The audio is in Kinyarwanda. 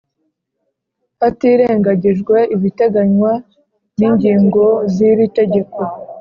Hatirengagijwe ibiteganywa n’ ingingo ziri tegeko